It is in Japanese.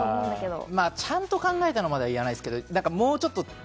「ちゃんと考えたの？」までは言わないけど、もうちょっと。